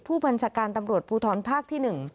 ผู้บัญชาการตำรวจภูทรภาคที่๑